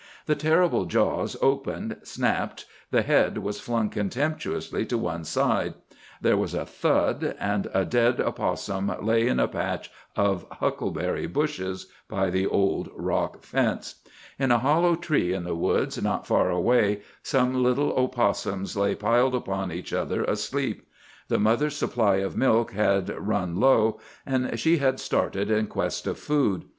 The terrible jaws opened, snapped, the head was flung contemptuously to one side, there was a thud, and a dead opossum lay in a patch of huckleberry bushes by the old rock fence. In a hollow tree in the woods, not far away, some little opossums lay piled upon each other, asleep. The mother's supply of milk had run low, and she had started in quest of food.